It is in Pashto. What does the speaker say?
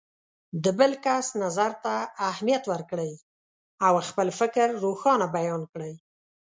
د بل کس نظر ته اهمیت ورکړئ او خپل فکر روښانه بیان کړئ.